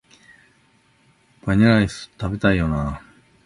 バニラアイス、食べたいよな